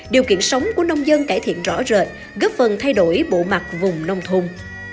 điều kiện sống của nông dân cải thiện rõ rệt góp phần thay đổi bộ mặt vùng nông thôn